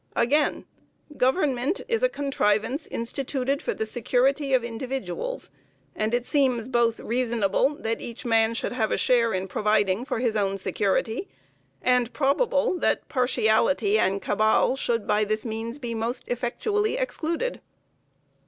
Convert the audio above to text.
Again, "Government is a contrivance instituted for the security of individuals; and it seems both reasonable that each man should have a share in providing for his own security, and probable, that partiality and cabal should by this means be most effectually excluded."